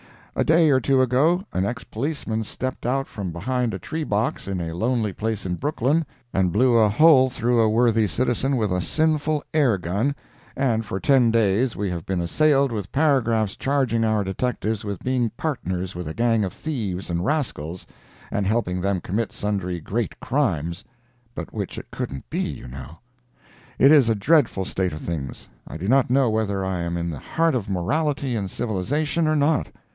A day or two ago an ex policeman stepped out from behind a tree box in a lonely place in Brooklyn, and blew a hole through a worthy citizen with a sinful air gun, and for ten days we have been assailed with paragraphs charging our detectives with being partners with a gang of thieves and rascals, and helping them commit sundry great crimes (but which it couldn't be, you know). It is a dreadful state of things. I do not know whether I am in the heart of morality and civilization, or not.